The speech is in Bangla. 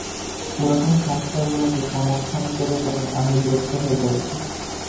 পুরাতন সংস্কারগুলোকে সমর্থন করে করে আমি বিরক্ত হয়ে পড়েছি।